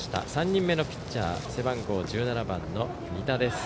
３人目のピッチャー背番号１７番の仁田です。